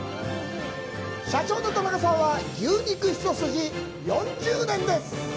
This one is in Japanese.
社長の田中さんは、牛肉一筋４０年。